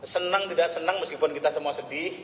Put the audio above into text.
senang tidak senang meskipun kita semua sedih